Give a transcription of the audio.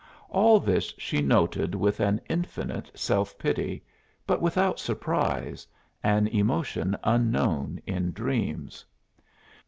All this she noted with an infinite self pity, but without surprise an emotion unknown in dreams.